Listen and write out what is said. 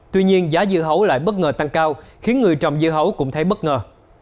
tuy nhiên giá dưa hấu lại bất ngờ tăng cao khiến người trồng dưa hấu cũng thấy bất ngờ